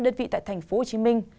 đơn vị tại thành phố hồ chí minh